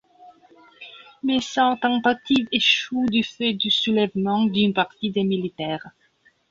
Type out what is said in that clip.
Mais sa tentative échoue du fait du soulèvement d'une partie des militaires.